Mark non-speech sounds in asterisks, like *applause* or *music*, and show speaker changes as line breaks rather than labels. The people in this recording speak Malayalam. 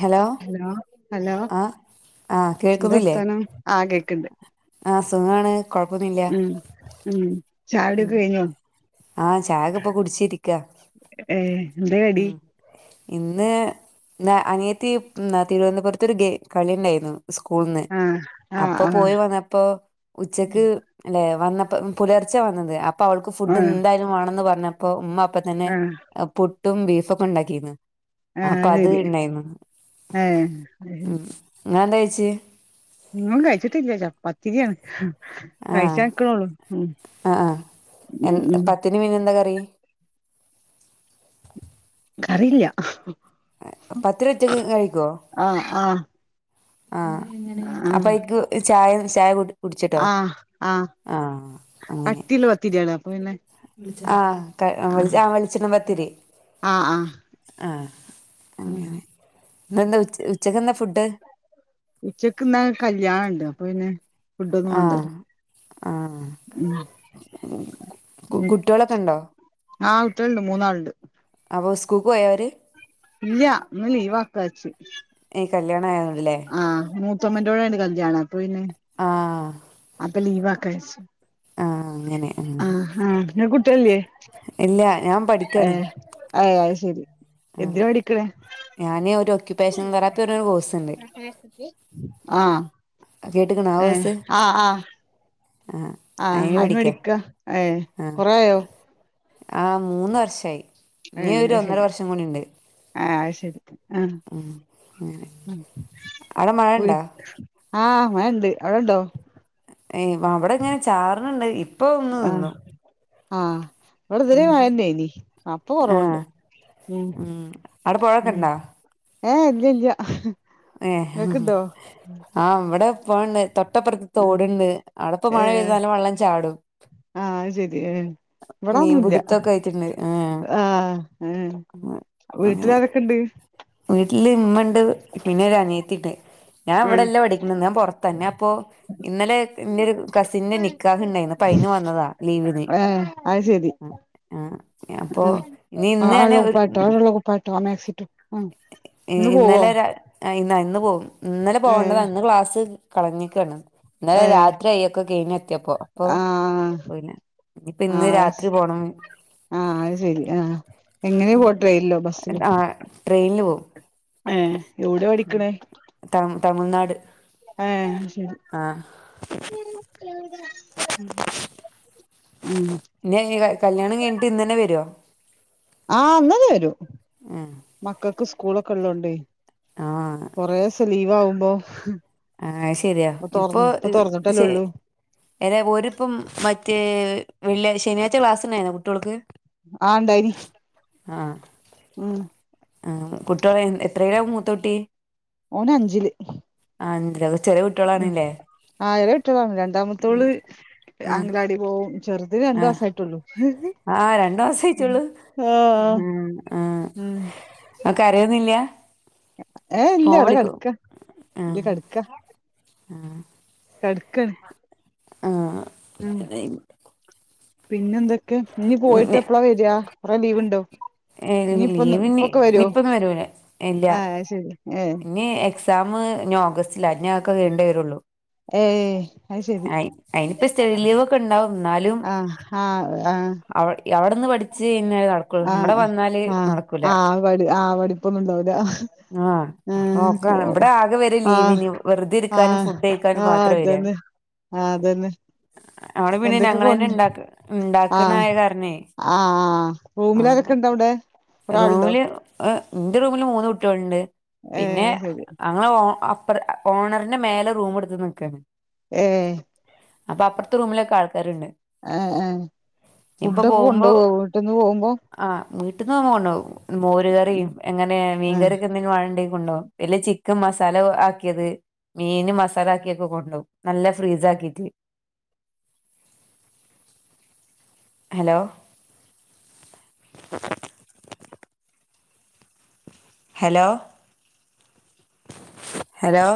ഹലോ ആഹ് ആഹ്
എന്താ
കേക്കുന്നില്ലേ
വർത്താനം ആ കേക്ക്ണ്ട്
ആഹ് സുഖാണ് കൊഴപ്പൊന്നുല്ല
ഉം ഉം ചായകുടിയൊക്കെ കഴിഞ്ഞോ
ആഹ് ചായൊക്ക ഇപ്പൊ കുടിച്ചിരിക്ക
ഏ എന്താ കടി
ഉം ഇന്ന് *unintelligible* അനിയത്തി നാ തിരുവനന്തപുരത്തൊരു ഗെ കളി ഉണ്ടായിരുന്നു സ്കൂൾന്ന്
ആഹ് ആഹ്
അപ്പൊ പോയി വന്നപ്പോ ഉച്ചക്ക് അല്ലെ വന്നപ്പോ പുലർച്ചെ വന്നത് അപ്പൊ അവൾക്ക്
ആഹ്
ഫുഡ്
ആഹ്
എന്തായാലും വേണന്ന് പർഞ്ഞ പ്പൊ ഉമ്മ അപ്പ തന്നെ
ആഹ്
പുട്ടും ബീഫൊക്കെ ഉണ്ടാക്കിന്ന്
ആഹ്
അപ്പൊ അത്
ശരി
ഇണ്ടായിരുന്നു
ഏഹ്
ഉം ഇങ്ങെന്താ കഴിച്ച്
ഞങ്ങളും കഴിച്ചിട്ടില്ല ച പത്തിരിയാണ്
ആ
കഴിച്ചാക്ക്ണൊള്ളൂ ഉം ഉം ഉം
ത്തിന് പിന്നെ എന്താ കറി
കറിയില്ല
പത്തിരി ഒറ്റക്ക് കഴിക്കോ
ആഹ് ആഹ്
ആഹ്
ആഹ്
അപ്പൊ അയ്ക്ക് ചായ ഒരു ചായ കുട്ച്ച്ട്ടോ
ആഹ്
ആഹ് അങ്ങനെ
ഇല്ല പത്തിരിയാണ് അപ്പൊ പിന്നെ
ആഹ് ത്താ ആഹ് വെളിച്ചണ്ണ പത്തിരി
ആഹ് ആഹ്
ആഹ്
ഉം
അങ്ങനെ ഇന്നെന്താ ഉ ഉച്ചക്കെന്താ ഫുഡ്
ഉച്ചക്ക്ന്ന് കല്യാണണ്ട് അപ്പൊ പിന്നെ ഫുഡ് ഒന്നും
ആഹ്
വാണ്ടല്ലൊ
ആഹ്
ഉം
കു
ഉം
കുട്ടികളൊക്കെ ഉണ്ടോ
ആഹ് *unintelligible* മൂന്നാള്ണ്ട്
അപൊ സ്കൂക്ക് പോയോര്
ഇല്ല്യ ഇന്ന് ലീവാ ആക്കാച്ച്
ഏഹ് കല്യാണം ആയോ
ആഹ് മൂത്തമ്മൻ്റോടേണ് കല്യാണം അപ്പൊ പിന്നെ
ആഹ്
അപ്പൊ ലീവാക്കാ വച്ച്
ആഹ് അങ്ങനെ
ഇങ്ങക്ക് കുട്ടികളില്ലേ
ഇല്ല ഞാൻ പഠിക്കാണ്
*unintelligible* അയ് ശെരി എന്തിന പഠിക്ക്ണ്
ഞാൻ ഒരു ഒക്യുപ്പേഷൻ തെറാപ്പി അർഞ്ഞ ഒരു കോഴ്സ് ഉണ്ട്
ആഹ്
കേട്ട്ക്കണോ ആ
ഏഹ്
കോഴ്സ്
ആഹ് ആഹ്
ആഹ്
ആഹ് അയിന്
പഠിക്കാ
പഠിക്ക ഏഹ് കൊറേ ആയോ
ആഹ് മൂന്ന് വർഷായി
ഏഹ് അത് ശരി ആഹ് അത് ശരി ആഹ്
അവിടെ മഴ ഉണ്ടാ
*unintelligible* ആഹ് മഴണ്ട് അവിടെണ്ടോ
ഏയ് അവിടെ ഇങ്ങനെ ചാറ്ണുണ്ട് ഇപ്പ ഒന്ന് നിന്നു
ആഹ് ഇവടെ ഇത് വരെ മഴല്ലേനി ആ ഇപ്പൊ കൊറവ്ണ്ട് ഉം
അവിടെ പുഴൊക്കെ
ഉം
ഉണ്ടാ
ഏഹ് ഇല്ലല്ലാ
ഏഹ് ആഹ് ഇവടെ *unintelligible* തൊ തൊട്ടപ്പറത്ത് തോട്ണ്ട് അവടപ്പ മഴ പെയ്താ
ഏഹ്
നല്ല വെള്ളം ചാടും
ആഹ് അത് ശെരി ഹ്മ്മ്
മീൻ
ഇവടൊന്നുല്ല
പിടുത്തൊക്കെ ആയിട്ടുണ്ട് ആ
ആഹ് ഏഹ്
അങ്ങനെ
വീട്ട്ലാരൊക്കെണ്ട്?
വീട്ടില് ഇമ്മണ്ട് പിന്നെ ഒര് അനിയത്തിണ്ട്. ഞാൻ
ഉം
ഇവടല്ല പഠിക്ക്ന്നത് ഞാൻ പൊറത്താ ഞാൻ ഇപ്പൊ ഇന്നലെ ഇന്റെരു കസിന്റെ നി നിക്കാഹ്ണ്ടെന്നു അപ്പയിന് വന്നതാ ലീവിന്
ഏഹ് അത് ശരി
ആഹ് ആഹ് ഞാൻ ഇപ്പൊ
ആ ഇള്ള കുപ്പയട്ടോ ആ ഇള്ള കുപ്പയട്ടോ ആ മാക്സിട്ടോ ആഹ്
ഏഹ് ഇന്നലെ രാ ആഹ് ഇന്ന ഇന്ന് പോവും ഇന്നലെ പോകണ്ടതാ
ഏഹ്
ഇന്ന് ക്ലാസ് കളഞ്ഞക്കാണ് ഇന്നലെ
ഏഹ്
രാത്രി ആയി ഒക്കെ കഴിഞ്ഞെത്തിയപ്പോ അപ്പൊ
ആഹ്
പോയില്ല ഇപ്പ ഇന്ന്
ആഹ് അത്
രാത്രി പോണം.
ആഹ് അത് ശെരി ആഹ്എങ്ങനെയാ പോവാ ട്രയിനില്ലോ ബസ്സിലോ?
ആഹ് ട്രെയ്ല് പോകും.
ഏഹ് ഒവ്ടെ പഠിക്ക്ണേ
ത തമിഴ്നാട്.
ഏഹ് അത് ശെരി.
ആ *inaudible*
ആഹ്
*unintelligible* കല്യാണം കഴിഞ്ഞ്ട്ട് ഇന്നന്നെ വരോ
ആഹ് ഇന്നന്നെ വരും മക്കൾക്ക് സ്കൂളൊക്കെ ഇള്ളോണ്ടേ
ആഹ്
കൊറേസം ലീവാവുമ്പോ
ആഹ് അയ്ശെരിയാ ഇപ്പൊ ഈഹ്
തൊറന്നിട്ടല്ലേ
ശെ
ഉള്ളൂ
ഏതാ ഒരിപ്പം മറ്റേ വെള്ളിയ ശനിയാഴ്ച്ച ക്ലാസ്ണ്ടായിരുന്നോ കുട്ടിയോൾക്ക്
ആഹ് ഇണ്ടായിനി.
ആഹ്
ഹ്മ്മ്
ആഹ് കുട്ടിയോള് എത്രയില മൂത്തൊട്ടി
ഓനഞ്ച്ല്.
ആഹ് *unintelligible* ചെറിയ കു
ഹ്മ്മ് ആഹ് ചെറിയ കുട്ടികളാണ്. രണ്ടാമത്തോള്
ഉം
അംഗലവാടി പോവും ചെറുത് രണ്ട് മാസായിട്ടൊള്ളു.
ആഹ് രണ്ടാസായിട്ടൊള്ളു ഹ്മ്മ് ആഹ്
ഉം
അത് കരയുന്നില്ല
ഏഹ് ഇല്ല അവടെ കട്ക്കാ ഇല്ല കട്ക്കാ
ആഹ്
കട്ക്കാണ്.
ആഹ് *unintelligible*
പിന്നെന്തൊക്കെ ഇഞ്ഞ് പോയിട്ട് എപ്പളാ വര്യാ കൊറെ ലീവ്ണ്ടോ
ഏഹ്
ഇനിയിപ്പൊന്ന്
ലീവിനി
ഇപ്പൊക്കെ വരുവോ
ഇനിപ്പൊന്നും വരൂല ഏഹ് ഇല്ല
ആഹ് അത് ശരി ഏഹ്
ഇനി എക് സാമ് ഇഞ്ഞ് ഓഗസ്റ്റിലാ ഇഞ്ഞതൊക്കെ കഴ്ഞ്ഞിട്ടേ വരൊള്ളു
ഏഹ് അത് ശരി
അയി അയിനിപ്പ സ്‌റ്റഡി ലീവൊക്കെ ഇണ്ടാവും ഇന്നാലും
ആഹ് ആഹ് ആഹ്
അവ അവിട്ന്ന് പഠിച്ച് പിന്നെ നടക്കൊള്ളൂ
ആഹ് ആഹ് ആ പടി ആ പഠിപ്പൊന്നുണ്ടാവൂല
ആഹ് നോക്കാണ് ഇബടെ ആകെ വരെ
ആഹ്
ലീവിന് വെറുതെ ഇരിക്കാനും
ആഹ്
ഫുഡ് കഴിക്കാനും
ആഹ്
മാത്ര വെര.
അതന്നെ ആഹ് അതന്നെ.
അവ്ടെ പിന്നെ
എന്തൊക്കെ
ഞങ്ങളന്നെ
കൊണ്ട്
ഇണ്ട ഇണ്ടാക്ക്ണെ
ആഹ്
ആയ കാരണേ
ആഹ് ആ റൂമിലാരൊക്കെ ഇണ്ടവിടെ? കെറേ ആളുണ്ടോ?
ഏ് ഇന്റെ റൂമില് മൂന്ന് കുട്ടിയോള്ണ്ട്
ഏ
പിന്നെ.
ശരി
ഞങ്ങളെ ഓ അപ്പ ഓണറിന് മേലെ റൂമ് എടുത്ത് നികാണ്.
ഏഹേ
അപ്പൊ അപ്പുറത്തെ റൂമിലൊക്കെ ആൾക്കാര്ണ്ട്.
ഏഹ് ഏഹ് ഫുഡൊക്കെ
പോകുമ്പോ
കൊണ്ട്പോവോ വീട്ടിന്ന് പോകുമ്പോ?
ആഹ് വീട്ട്ന്ന് പോവുമ്പോ കൊണ്ടോകും മോര്
ഉം
കറിയും ഇങ്ങനെ
ഏ
മീൻകറിയൊക്കെ ണ്ടെങ്കി വാങ്ങിണ്ടെ കൊണ്ടോവും ഇല്ലേ ചിക്കൻ മസാല ആക്കിയത് മീന് മസാല ആക്കിയൊക്കെ കൊണ്ടോകും നല്ല ഫ്രീസ് ആക്കീട്ട് ഹലോ ഹലോ ഹലോ